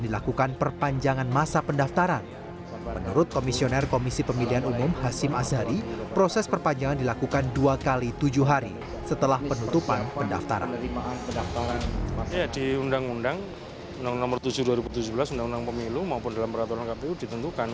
di undang undang undang undang nomor tujuh dua ribu tujuh belas undang undang pemilu maupun dalam peraturan kpu ditentukan